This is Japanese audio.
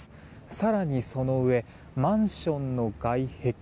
更に、その上マンションの外壁。